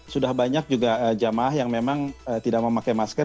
sudah banyak juga jamaah yang memang tidak memakai masker